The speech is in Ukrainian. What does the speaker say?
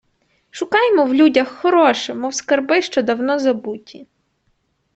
Шукаймо в людях хороше, мов скарби, що давно забуті